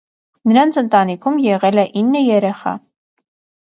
Նրանց ընտանիքում եղել է ինը երեխա։